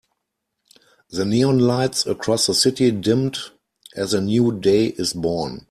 The neon lights across the city dimmed as a new day is born.